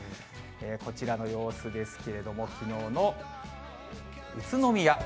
こちらの様子ですけれども、きのうの宇都宮。